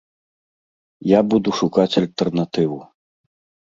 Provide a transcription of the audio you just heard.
Я буду шукаць альтэрнатыву.